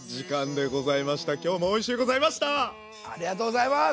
ありがとうございます！